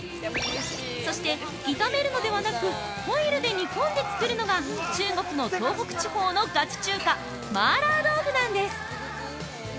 そして、炒めるのではなくホイルで煮込んで作るのが中国の東北地方のガチ中華麻辣豆腐なんです。